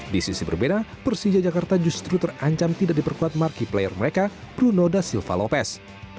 di sisi berbeda persija jakarta justru terancam tidak diperkuat markipleer mereka bruno da silva lopez